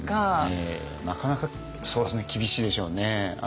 なかなかそうですね厳しいでしょうね。